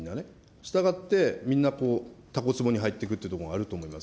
したがって、みんな、タコつぼに入っていくというところがあると思います。